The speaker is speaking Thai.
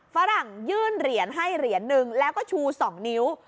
ฝรั่งยื่นเหรียญให้เหรียญหนึ่งแล้วก็ชู๒นิ้ว